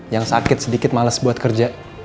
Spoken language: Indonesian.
yang sakit sedikit males buat kerja